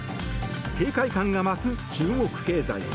警戒感が増す中国経済。